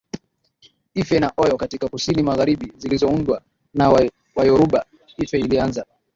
Ife na Oyo katika kusini magharibi zilizoundwa na Wayoruba Ife ilianza